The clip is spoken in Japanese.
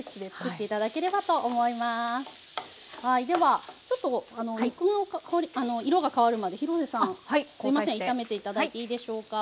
はいではちょっと肉の色が変わるまで廣瀬さん交代して炒めて頂いていいでしょうか。